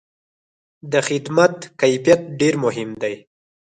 د خدمت کیفیت ډېر مهم دی.